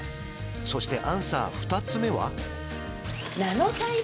そしてアンサー二つ目は？